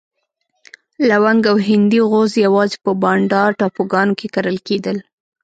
لونګ او هندي غوز یوازې په بانډا ټاپوګانو کې کرل کېدل.